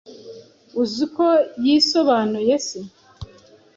Uzi uko yisobanuye se